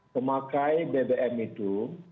pemakai bbm itu